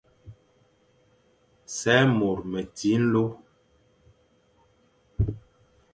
Sè môr meti nlô.